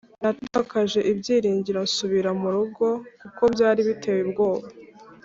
Natakaje ibyiringiro nsubira mu rugo kuko byari biteye ubwoba